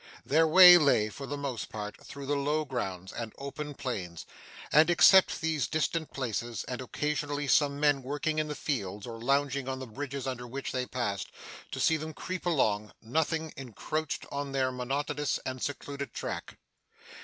Their way lay, for the most part, through the low grounds, and open plains; and except these distant places, and occasionally some men working in the fields, or lounging on the bridges under which they passed, to see them creep along, nothing encroached on their monotonous and secluded track.